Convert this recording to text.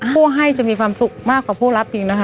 ผู้ให้จะมีความสุขมากกว่าผู้รับอีกนะคะ